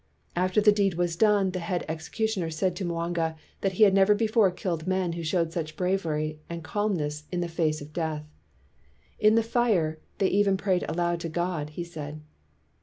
After the deed was done, the head executioner said to Mwanga that he had never before killed men who showed such bravery and calmness in the face of death. "In the fire, they even prayed aloud to God," he said.